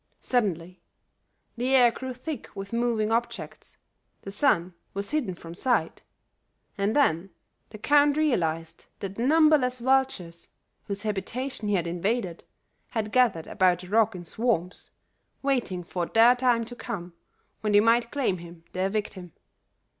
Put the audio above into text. "Suddenly the air grew thick with moving objects; the sun was hidden from sight, and then the count realized that numberless vultures, whose habitation he had invaded, had gathered about the rock in swarms, waiting for their time to come when they might claim him their victim.